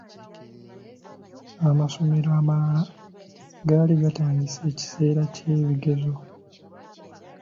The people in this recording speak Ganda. Amasomero amalala gaali gatandise ekiseera ky’ebigezo..